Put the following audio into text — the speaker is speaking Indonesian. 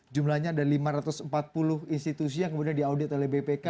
jumlahnya ada lima ratus empat puluh institusi yang kemudian diaudit oleh bpk